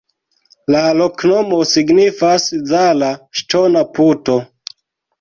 La loknomo signifas: Zala-ŝtona-puto.